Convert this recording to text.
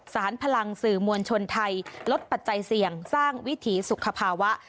พลังสื่อมวลชนไทยลดปัจจัยเสี่ยงสร้างวิถีสุขภาวะ